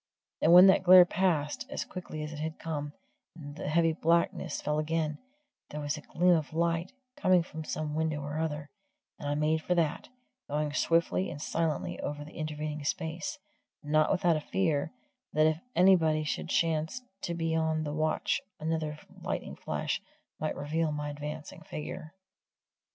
And when that glare passed, as quickly as it had come, and the heavy blackness fell again, there was a gleam of light, coming from some window or other, and I made for that, going swiftly and silently over the intervening space, not without a fear that if anybody should chance to be on the watch another lightning flash might reveal my advancing figure.